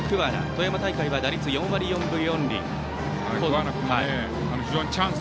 富山大会は打率４割４分４厘。